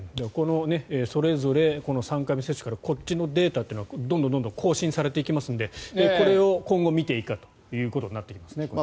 このそれぞれ３回目接種からこっちのデータというのはどんどん更新されていきますのでこれを今後見ていくということになっていきますね。